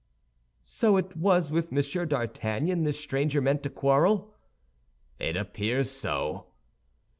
"So it was with Monsieur d'Artagnan this stranger meant to quarrel?" "It appears so."